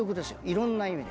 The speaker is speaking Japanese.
いろんな意味で。